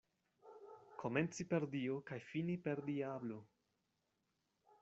Komenci per Dio kaj fini per diablo.